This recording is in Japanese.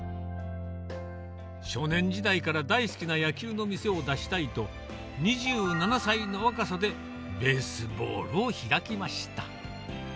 少年時代から大好きな野球の店を出したいと、２７歳の若さでベースボールを開きました。